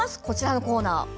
こちらのコーナー。